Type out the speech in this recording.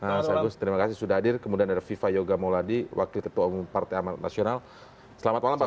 mas agus terima kasih sudah hadir kemudian ada viva yoga mauladi wakil ketua umum partai amanat nasional selamat malam pak